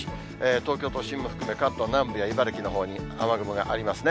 東京都心も含め、関東南部や茨城のほうに雨雲がありますね。